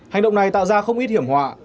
hành động này tạo ra không ít hiểm họa